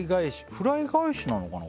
フライ返しなのかな？